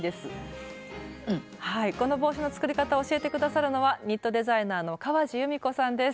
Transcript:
この帽子の作り方を教えて下さるのはニットデザイナーの川路ゆみこさんです。